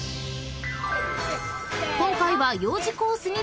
［今回は幼児コースに注目］